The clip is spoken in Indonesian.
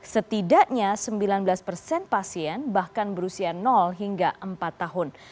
setidaknya sembilan belas persen pasien bahkan berusia hingga empat tahun